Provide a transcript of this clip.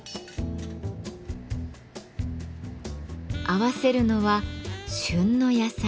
合わせるのは旬の野菜。